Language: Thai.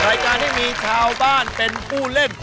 รายการที่มีชาวบ้านเป็นผู้เล่น